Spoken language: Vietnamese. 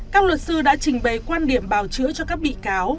các luật sư đã trình bày quan điểm bào chữa cho các bị cáo